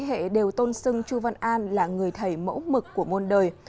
thế hệ đều tôn sưng chu văn an là người thầy mẫu mực của môn đời